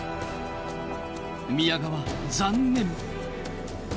宮川残念。